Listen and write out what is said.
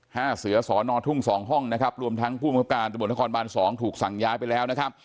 ห้าเสือสอนอทุ่ง๒ห้องรวมทั้งผู้มับการตำรวจนครบาล๒ถูกสั่งย้ายไปแล้ว